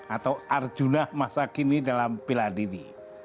atau arjuna masa kini dalam bila diri